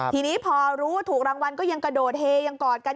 ทีนี้พอรู้ว่าถูกรางวัลก็ยังกระโดดเฮยังกอดกัน